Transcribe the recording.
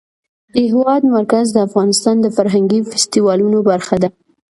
د هېواد مرکز د افغانستان د فرهنګي فستیوالونو برخه ده.